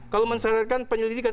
kalau mensyaratkan penyelidikan